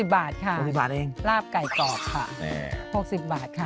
๖๐บาทค่ะลาบไก่กรอบค่ะ๖๐บาทค่ะฮ่ย